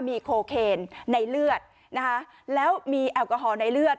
มีโคเคนในเลือดนะคะแล้วมีแอลกอฮอล์ในเลือด